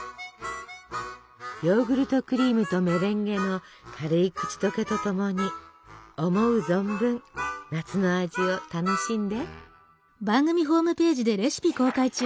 ヨーグルトクリームとメレンゲの軽い口どけとともに思う存分夏の味を楽しんで。